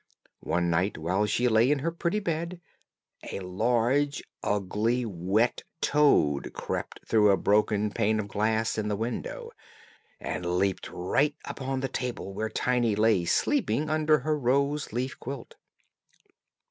One night, while she lay in her pretty bed, a large, ugly, wet toad crept through a broken pane of glass in the window, and leaped right upon the table where Tiny lay sleeping under her rose leaf quilt.